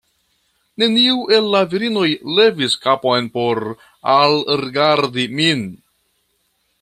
Neniu el la virinoj levis kapon por alrigardi min.